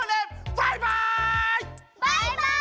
バイバイ！